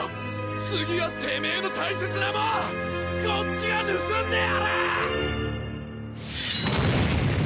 次はてめぇの大切なもんこっちが盗んでやる‼